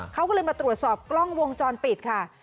เขาก็เลยมาตรวจสอบกล้องวงจรปิดค่ะ